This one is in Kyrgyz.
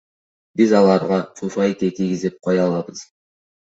Биз аларга фуфайке кийгизип кое албайбыз.